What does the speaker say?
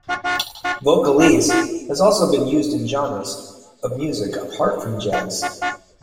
Vocalese has also been used in genres of music apart from jazz.